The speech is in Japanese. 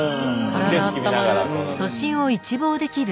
体あったまる。